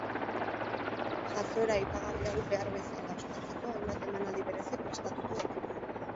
Jazoera aipagarri hau behar bezala ospatzeko hainbat emanaldi berezi prestatuko dira.